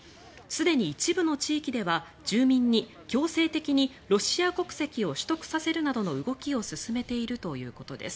すでに一部の地域では住民に強制的にロシア国籍を取得させるなどの動きを進めているということです。